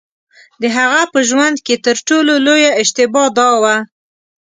د هغه په ژوند کې تر ټولو لویه اشتباه دا وه.